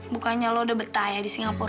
bukannya lu udah betah ya di singapur